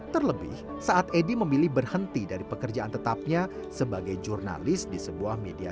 terlebih saat edi memilih berhenti dari pekerjaan tetapnya sebagai jurnalis di sebuah media